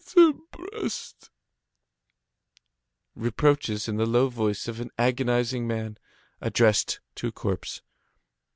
Septembrist!" Reproaches in the low voice of an agonizing man, addressed to a corpse.